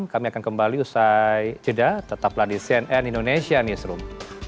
kami akan kembali usai jeda tetaplah di cnn indonesia newsroom